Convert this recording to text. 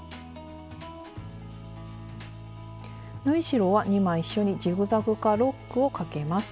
縫い代は２枚一緒にジグザグかロックをかけます。